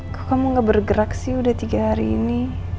kok kamu gak bergerak sih udah tiga hari ini